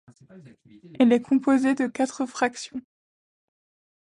Elle est composée de quatre fractions.